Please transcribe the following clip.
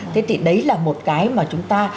thế thì đấy là một cái mà chúng ta